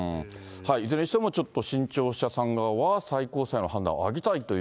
いずれにしても、ちょっと新潮社さん側は、最高裁の判断を仰ぎたいという。